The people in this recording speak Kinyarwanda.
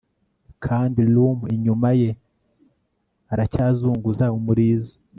kandi rum inyuma ye aracyazunguza umurizo